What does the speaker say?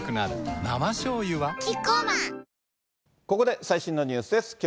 ここで、最新のニュースです。